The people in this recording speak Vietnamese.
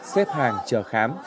xếp hàng chờ khám